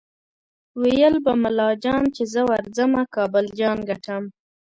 ویل به ملا جان چې زه ورځمه کابل جان ګټم